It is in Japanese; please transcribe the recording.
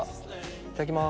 いただきます。